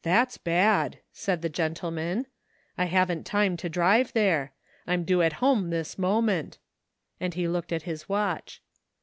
"That's bad," said the gentleman; "I haven't time to drive there. I'm due at home this mo ment," and he looked at his watch.